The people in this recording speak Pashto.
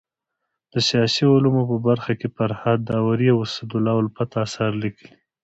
د سیاسي علومو په برخه کي فرهاد داوري او اسدالله الفت اثار ليکلي دي.